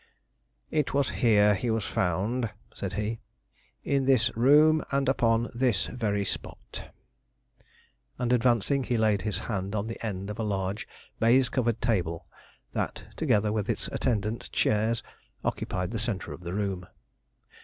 "It was here he was found," said he; "in this room and upon this very spot." And advancing, he laid his hand on the end of a large baize covered table that, together with its attendant chairs, occupied the centre of the room.